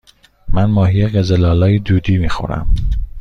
من ماهی قزل آلا دودی می خورم.